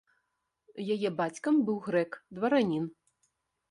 Яе бацькам быў грэк, дваранін.